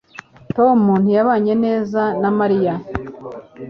tom ntiyabanye neza na mariya